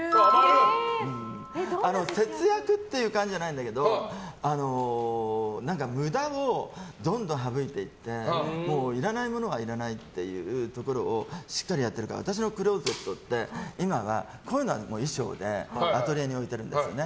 節約という感じじゃないんだけど無駄をどんどん省いていっていらないものはいらないっていうところをしっかりやってるから私のクローゼットってこういうのは衣装でアトリエに置いてるんですね。